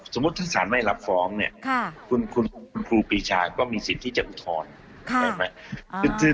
สมมุติถ้าสารไม่รับฟ้องเนี่ยคุณครูปีชาก็มีสิทธิ์ที่จะอุทธรณ์